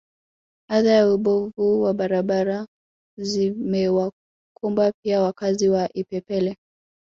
Adha ya ubovu wa barabara zimewakumba pia wakazi wa Ipepele